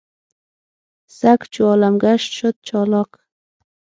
سګ چو عالم ګشت شد چالاک.